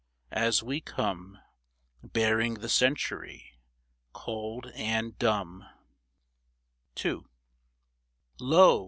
As w^e come Bearing the Century, cold and dumb ! II. Lo